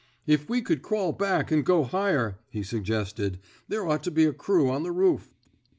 If we could crawl back an' go higher," he suggested, there ought to be a crew on the roof."